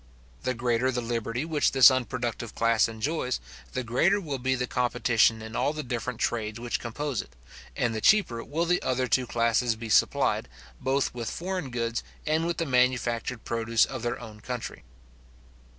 The greater the liberty which this unproductive class enjoys, the greater will be the competition in all the different trades which compose it, and the cheaper will the other two classes be supplied, both with foreign goods and with the manufactured produce of their own country.